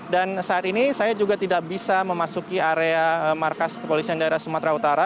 dan saat ini saya juga tidak bisa memasuki area markas kepolisian daerah sumatera utara